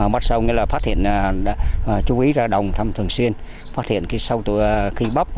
bắt sâu gọi là phát hiện chú ý ra đồng thăm thường xuyên phát hiện sâu từ khi bóp